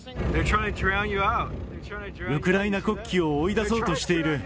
ウクライナ国旗を追い出そうとしている。